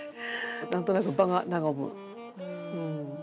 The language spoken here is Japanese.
何となく場が和むうん。